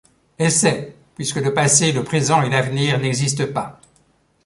Essai, puisque le passé, le présent et l’avenir n’existent pas.